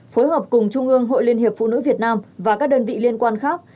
phối hợp cùng trung ương hội liên hiệp phụ nữ việt nam và các đơn vị liên quan khác